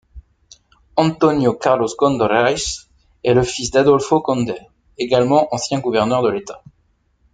Antônio Carlos Konder Reis est le fils d'Adolfo Konder, également ancien gouverneur de l'État.